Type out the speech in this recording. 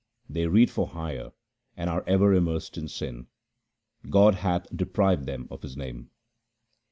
They read for hire and are ever immersed in sin ; God hath deprived them of His name.